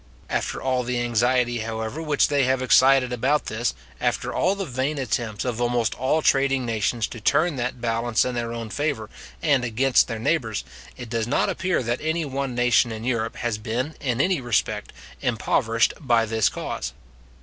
After all the anxiety, however, which they have excited about this, after all the vain attempts of almost all trading nations to turn that balance in their own favour, and against their neighbours, it does not appear that any one nation in Europe has been, in any respect, impoverished by this cause.